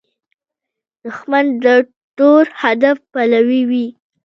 دښمن د تور هدف پلوي وي